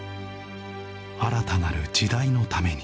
新たなる時代のために